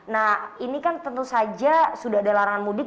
nah ini kan tentu saja sudah ada larangan mudik